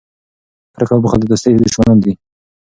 کرکه او بخل د دوستۍ دشمنان دي.